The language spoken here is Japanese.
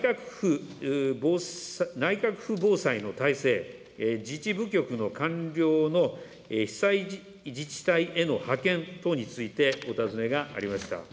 内閣府防災の体制、自治部局の官僚の被災自治体への派遣等についてお尋ねがありました。